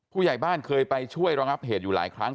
ผู้ใหญ่บ้านเคยไปช่วยระงับเหตุอยู่หลายครั้ง